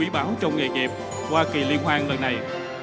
bảo trọng nghề nghiệp qua kỳ liên hoan lần này